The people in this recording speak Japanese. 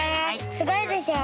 すごいでしょ。